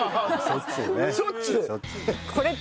しょっちゅうね。